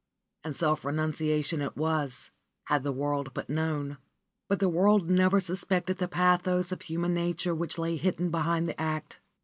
And self renunciation it was, had the world but known. But the world never suspected the pathos of human nature which lay hidden behind the act.